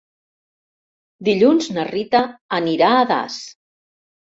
Dilluns na Rita anirà a Das.